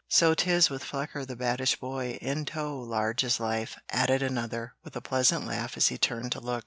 "So 'tis, with 'Flucker, the baddish boy,' in tow, as large as life," added another, with a pleasant laugh as he turned to look.